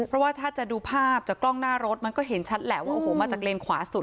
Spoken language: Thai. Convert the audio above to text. เพราะว่าถ้าจะดูภาพจากกล้องหน้ารถมันก็เห็นชัดแหละว่าโอ้โหมาจากเลนขวาสุด